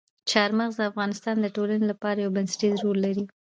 چار مغز د افغانستان د ټولنې لپاره یو بنسټيز رول لري.